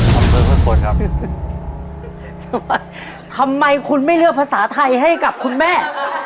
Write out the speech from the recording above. ผมเสื้อเวิ่ตครับทำไมทำไมคุณไม่เลือกภาษาไทยให้กับคุณแม่